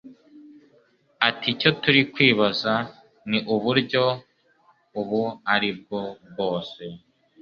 ati icyo turi kwibaza ni uburyo ubu ari bwo bwose